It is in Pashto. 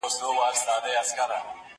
زه له پرون راهيسې کار کوم!